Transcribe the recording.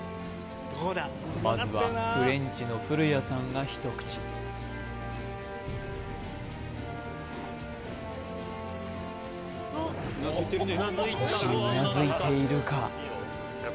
まずはフレンチの古屋さんが一口少しうなずいているか？